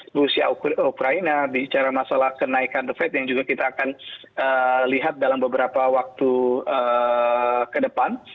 karena rusia ukraine bicara masalah kenaikan defek yang juga kita akan lihat dalam beberapa waktu ke depan